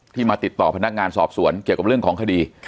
มาติดต่อพนักงานสอบสวนเกี่ยวกับเรื่องของคดี